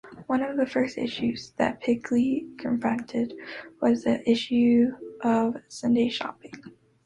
One of the first issues that Pilkey confronted was the issue of Sunday shopping.